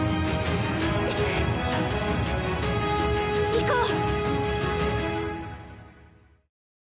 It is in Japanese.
行こう！